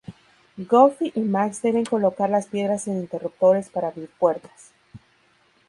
Goofy y Max deben colocar las piedras en interruptores para abrir puertas.